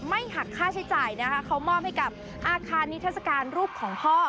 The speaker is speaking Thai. หักค่าใช้จ่ายนะคะเขามอบให้กับอาคารนิทัศกาลรูปของพ่อ